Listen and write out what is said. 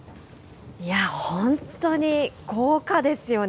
いや、本当に豪華ですよね。